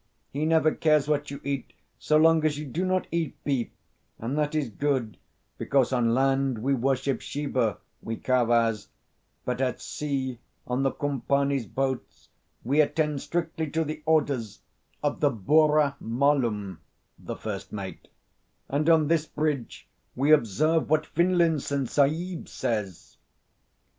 He never cares what you eat so long as you do not eat beef, and that is good, because on land we worship Shiva, we Kharvas; but at sea on the Kumpani's boats we attend strictly to the orders of the Burra Malum [the first mate], and on this bridge we observe what Finlinson Sahib says."